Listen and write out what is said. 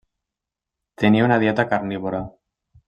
Tenia una dieta carnívora.